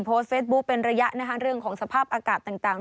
โพสต์เฟซบุ๊คเป็นระยะนะคะเรื่องของสภาพอากาศต่าง